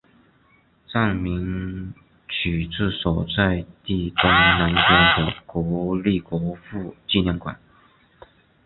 站名取自所在地东南边的国立国父纪念馆。